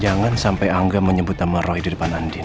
jangan sampai angle menyebut sama roy di depan andean